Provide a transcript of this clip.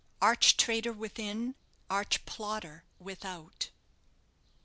ARCH TRAITOR WITHIN, ARCH PLOTTER WITHOUT.